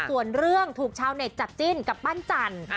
ส่วนเรื่องถูกชาวเน็ตจับจิ้นกับปั้นจันทร์